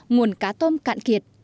nguồn cá tôm cạn kiệt